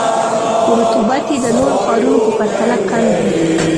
خو رطوبت یې د نورو ښارونو په پرتله کم دی.